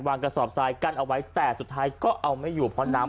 กระสอบทรายกั้นเอาไว้แต่สุดท้ายก็เอาไม่อยู่เพราะน้ำ